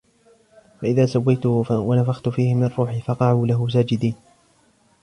فإذا سويته ونفخت فيه من روحي فقعوا له ساجدين